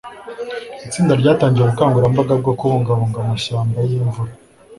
Itsinda ryatangiye ubukangurambaga bwo kubungabunga amashyamba yimvura.